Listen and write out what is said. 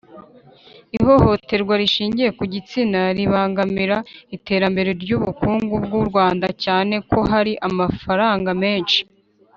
Ihohoterwa rishingiye ku gitsina ribangamira iterambere ry ubukungu bw u Rwanda cyane ko hari amafaranga menshi